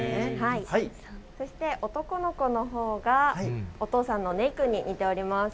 そして男の子のほうが、お父さんのネイくんに似ております。